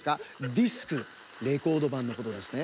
ディスクレコードばんのことですね。